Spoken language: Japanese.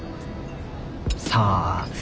さあ。